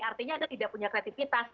artinya anda tidak punya kreativitas